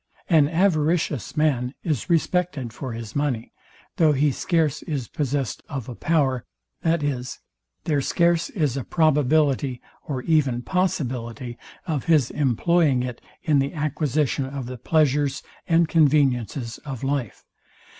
An avaricious man is respected for his money, though he scarce is possest of a power; that is, there scarce is a probability or even possibility of his employing it in the acquisition of the pleasures and conveniences of life.